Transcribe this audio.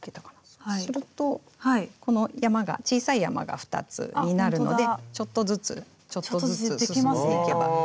そうするとこの山が小さい山が２つになるのでちょっとずつちょっとずつ進んでいけば。